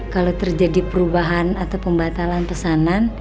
kalau terjadi perubahan atau pembatalan pesanan